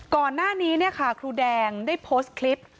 ก่อนหน้านี้ครูแดงได้โพสต์คลิป